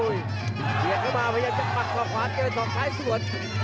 เหยียบเข้ามาพยายามจะปัดขวาขวาเกินสองซ้ายส่วน